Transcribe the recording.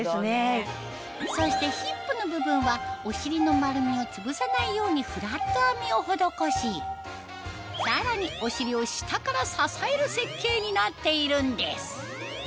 そしてヒップの部分はお尻の丸みをつぶさないようにフラット編みを施しさらにお尻を下から支える設計になっているんです